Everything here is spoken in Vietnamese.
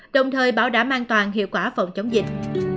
đồng thời bảo đảm an toàn hiệu quả phòng chống dịch